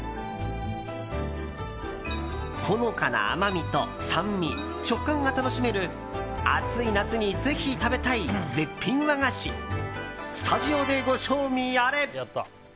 ほのかな甘みと酸味食感が楽しめる暑い夏にぜひ食べたい絶品和菓子スタジオでご賞味あれ！